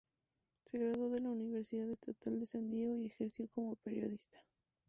Se graduó en la Universidad Estatal de San Diego y ejerció como periodista.